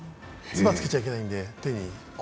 つばつけちゃいけないんで、手に。